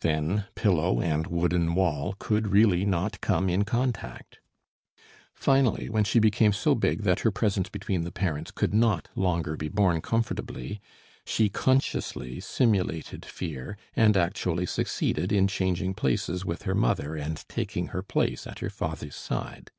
Then "pillow" and "wooden wall" could really not come in contact. Finally when she became so big that her presence between the parents could not longer be borne comfortably, she consciously simulated fear and actually succeeded in changing places with her mother and taking her place at her father's side.